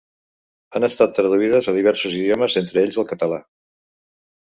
Han estat traduïdes a diversos idiomes, entre ells el català.